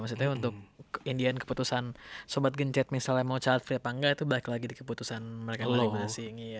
maksudnya untuk keputusan sobat gencet misalnya mau childfree apa enggak itu balik lagi keputusan mereka sendiri